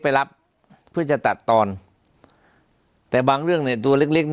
ไปรับเพื่อจะตัดตอนแต่บางเรื่องในตัวเล็ก